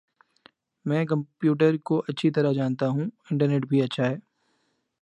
میں کمپیوٹرکو اچھی طرح جانتا ہوں انٹرنیٹ بھی اچھا ہے